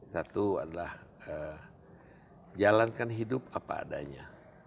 satu adalah jalankan hidup apa adanya